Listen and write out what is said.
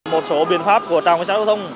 một số biện pháp của trạm cảnh sát giao thông